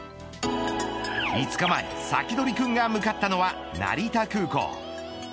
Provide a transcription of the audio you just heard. ５日前、サキドリくんが向かったのは成田空港。